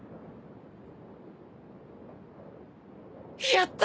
やった！